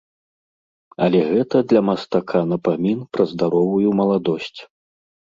Але гэта для мастака напамін пра здаровую маладосць.